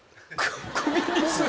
首にする？